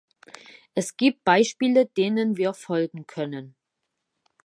Es gibt Beispiele, denen wir folgen können.